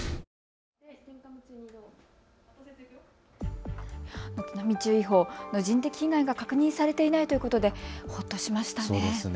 津波注意報、人的被害が確認されていないということでほっとました。